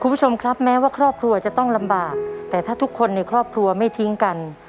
คุณผู้ชมครับแม้ว่าครอบครัวจะต้องลำบากแต่ถ้าทุกคนในครอบครัวไม่ทิ้งกัน